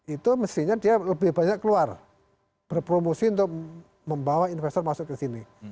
itu mestinya dia lebih banyak keluar berpromosi untuk membawa investor masuk ke sini